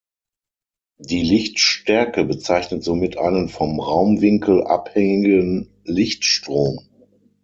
Die Lichtstärke bezeichnet somit einen vom Raumwinkel abhängigen Lichtstrom.